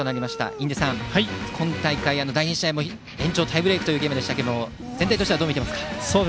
印出さん、今大会の第２試合も延長タイブレークでしたが全体としてどう見ていますか。